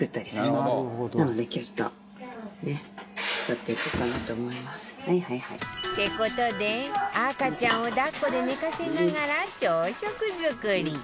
って事で赤ちゃんを抱っこで寝かせながら朝食作り